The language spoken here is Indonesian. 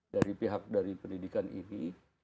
dari pihak dari pendidikan ini